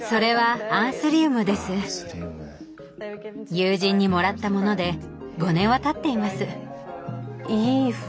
友人にもらったモノで５年はたっています。